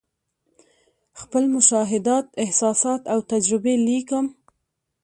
خپل مشاهدات، احساسات او تجربې لیکم.